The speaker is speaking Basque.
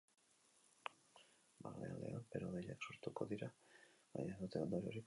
Barnealdean bero-hodeiak sortuko dira baina ez dute ondoriorik utziko.